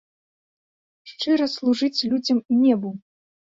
Шчыра служыць людзям і небу!